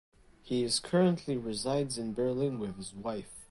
He is currently resides in Berlin with his wife.